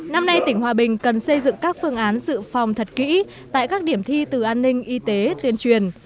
năm nay tỉnh hòa bình cần xây dựng các phương án dự phòng thật kỹ tại các điểm thi từ an ninh y tế tuyên truyền